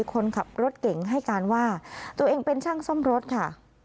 คนขับรถเก่งให้การว่าตัวเองเป็นช่างซ่อมรถค่ะ